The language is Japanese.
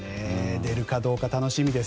出るかどうか楽しみです。